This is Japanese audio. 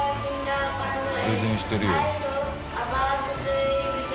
プレゼンしてるよ。